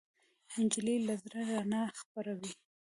نجلۍ له زړه رڼا خپروي.